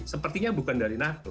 sepertinya bukan dari nato